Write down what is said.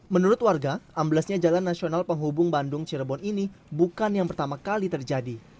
menurut warga amblesnya jalan nasional penghubung bandung cirebon ini bukan yang pertama kali terjadi